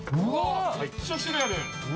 めっちゃ種類ある。